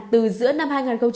từ giữa năm hai nghìn hai mươi